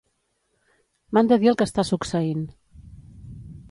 M'han de dir el que està succeint.